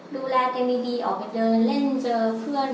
ดูแลตัวเองดีออกไปเดินเล่นเจอเพื่อน